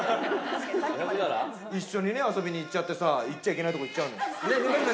一緒に遊びに行っちゃってさ、行っちゃいけないとこ行っちゃうのよ。